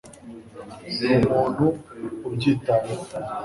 ni umuntu ubyitayeho